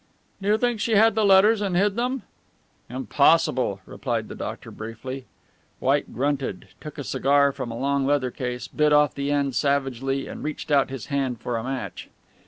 "Do you think she had the letters and hid them?" "Impossible," replied the doctor briefly. White grunted, took a cigar from a long leather case, bit off the end savagely and reached out his hand for a match.